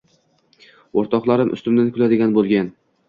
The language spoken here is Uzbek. Oʻrtoqlarim ustimdan kuladigan boʻlgan.